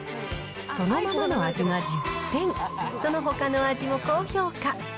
そのままの味が１０点、そのほかの味も高評価。